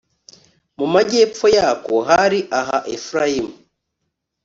mu majyepfo yako hari aha efurayimu